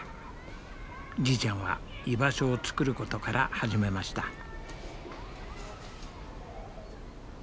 じいちゃんは居場所を作ることから始めました。